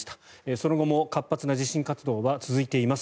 その後も活発な地震活動が続いています。